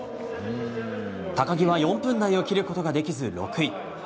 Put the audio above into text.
高木は４分台を切ることができず６位。